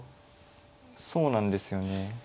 そうなんですよね。